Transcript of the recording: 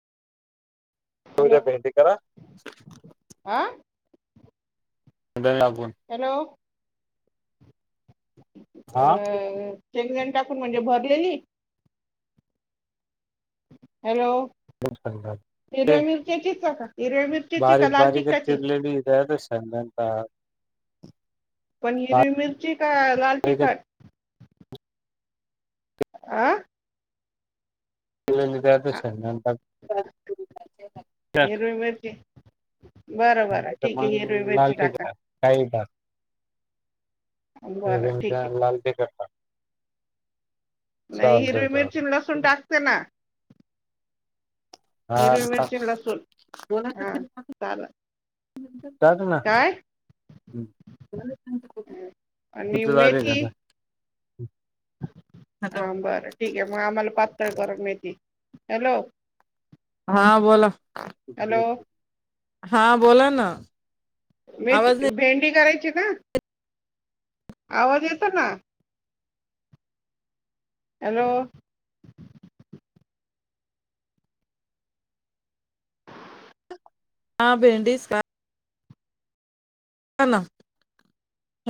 Hello [inaudible] हा वेळ लागेल. हॅलो अ. चेकजण टाकून म्हणजे भरलेली. हॅलो! शेंगदाणे ते हिरव्या मिरच्या घेता का? हिरव्या मिरचीची का बारीक लाल बारीक तिखटाची चिरल्याली [inaudible] पण हिरवी मिरची का लाल बारीक तिखट आं [inaudible] त्यापेक्षा टाक [inaudible] हिरवी मिरची बरं बरं नाही तर ठीक आहे मग हिरवी मिरची लालट तिखट टाका टाक काहीही टाक बरं ठीक [inaudible] लाल तिखट टाक. नाही चालतंय हिरवी मिरची लसूण चालतंय टाकते ना हा हिरवी टाक मिरची आणि लसूण [inaudible] हां चालेल जात ना काय कुठ आणि झा [unintelligible] मेथी घता हा बरं ठीक आहे मग आम्हाला पातळ करत मिळतील हॅलो हा बोला हॅलो हा बोला ना म आवाज नाही भेंडी करायची ची ना आवाज येतो ना हॅलो आ भेंडीस का ह ना